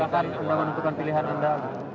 dapatkan ruang untuk pilihan anda